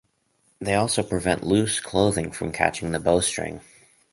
They also prevent loose clothing from catching the bow string.